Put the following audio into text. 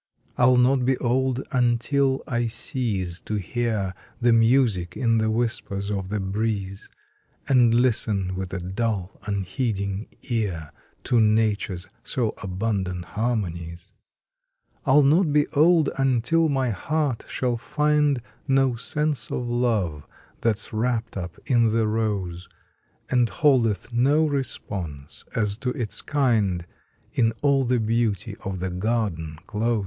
I ll not be old until I cease to hear The music in the whispers of the breeze, And listen with a dull, unheeding ear To Nature s so abundant harmonies. I ll not be old until my heart shall find No sense of love that s wrapped up in the rose, And holdeth no response as to its kind In all the beauty of the garden close.